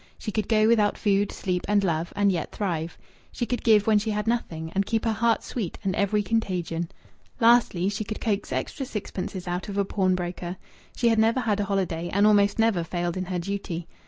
She could go without food, sleep, and love, and yet thrive. She could give when she had nothing, and keep her heart sweet amid every contagion. Lastly, she could coax extra sixpences out of a pawnbroker. She had never had a holiday, and almost never failed in her duty.